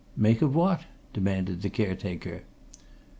"Make of what?" demanded the caretaker.